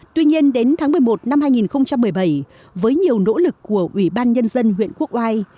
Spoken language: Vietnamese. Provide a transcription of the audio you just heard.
tuy nhiên đến tháng một mươi một năm hai nghìn một mươi bảy với nhiều nỗ lực của ủy ban nhân dân huyện quốc oai